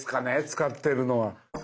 使ってるのは。